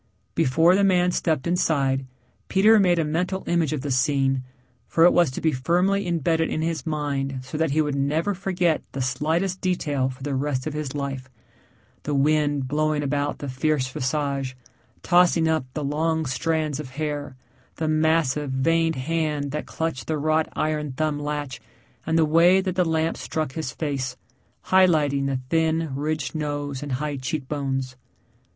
Before the man stepped inside, Peter made a mental image of the scene, for it was to be firmly imbedded in his mind so that he would never forget the slightest detail for the rest of his life the wind blowing about the fierce visage, tossing up the long strands of hair; the massive, veined hand that clutched the wrought iron thumb latch, and the way that the lamp struck his face, highlighting the thin, ridged nose and high cheekbones.